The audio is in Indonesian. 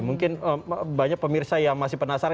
mungkin banyak pemirsa yang masih penasaran